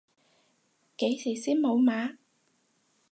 幾時先無碼？